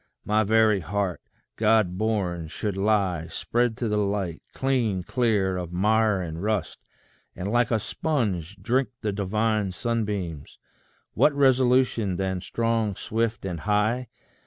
my very heart, God born, should lie Spread to the light, clean, clear of mire and rust, And like a sponge drink the divine sunbeams. What resolution then, strong, swift, and high!